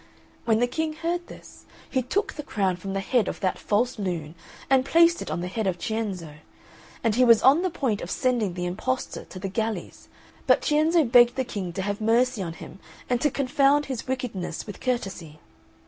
When the King heard this, he took the crown from the head of that false loon and placed it on that of Cienzo; and he was on the point of sending the imposter to the galleys, but Cienzo begged the King to have mercy on him and to confound his wickedness with courtesy.